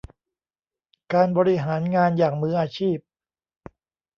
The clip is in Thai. การบริหารงานอย่างมืออาชีพ